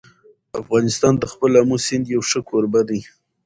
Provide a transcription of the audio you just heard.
افغانستان د خپل آمو سیند یو ښه کوربه دی.